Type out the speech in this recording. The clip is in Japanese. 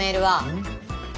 うん？